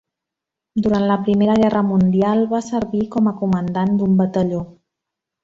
Durant la Primera Guerra Mundial, va servir com a comandant d'un batalló.